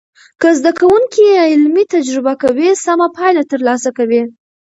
که زده کوونکي علمي تجربه کوي، سمه پایله تر لاسه کوي.